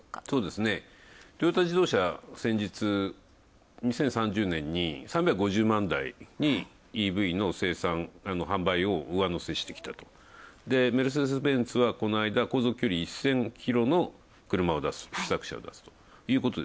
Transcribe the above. そうですね、トヨタ自動車、先日２０３０年に３５０万台にＥＶの生産販売を上乗せしてきたと。メルセデスベンツはこの間、航続距離１０００キロの車を出す試作車を出すと。